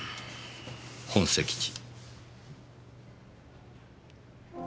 本籍地。